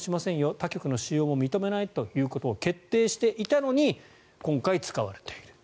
他局の使用も認めないということを決定していたのに今回使われている。